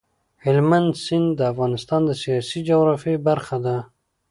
هلمند سیند د افغانستان د سیاسي جغرافیې برخه ده.